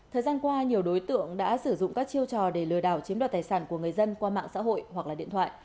thời gian qua nhiều đối tượng đã sử dụng các chiêu trò để lừa đảo chiếm đoạt tài sản của người dân qua mạng xã hội hoặc điện thoại